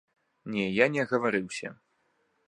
Не, я не агаварыўся.